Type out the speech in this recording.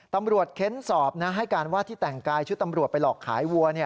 เค้นสอบให้การว่าที่แต่งกายชุดตำรวจไปหลอกขายวัว